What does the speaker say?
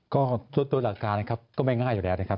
ก็ส่วนตัวหลักการนะครับก็ไม่ง่ายอยู่แล้วนะครับ